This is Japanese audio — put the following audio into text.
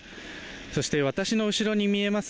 そして、私の後ろに見えます